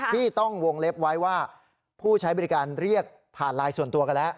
ที่ต้องวงเล็บไว้ว่าผู้ใช้บริการเรียกผ่านไลน์ส่วนตัวกันแล้ว